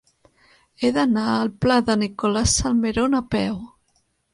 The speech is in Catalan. He d'anar al pla de Nicolás Salmerón a peu.